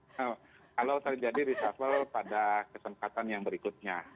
itu kalau terjadi risafel pada kesempatan yang berikutnya